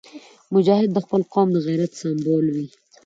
مجاهد د خپل قوم د غیرت سمبول وي.